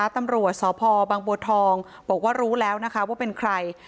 ตำรวจสพบังบัวทองบอกว่ารู้แล้วนะคะว่าเป็นใคร